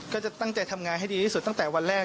ก็จะตั้งใจทำงานให้ดีที่สุดตั้งแต่วันแรก